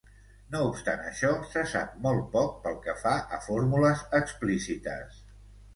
No obstant això, se sap molt poc, pel que fa a fórmules explícites.